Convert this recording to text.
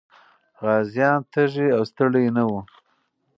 غازيان تږي او ستړي نه وو.